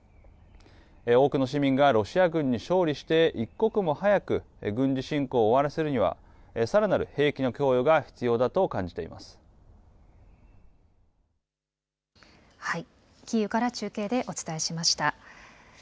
多くの市民がロシア軍に勝利して、一刻も早く軍事侵攻を終わらせるには、さらなる兵器の供与が必要キーウから中継でお伝えしました。